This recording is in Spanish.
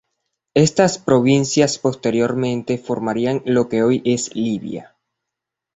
Esas provincias posteriormente formarían lo que hoy es Libia.